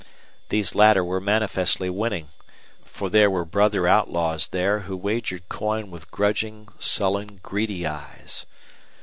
These latter were manifestly winning, for there were brother outlaws there who wagered coin with grudging, sullen, greedy eyes.